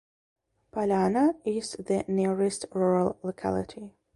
Polyana is the nearest rural locality.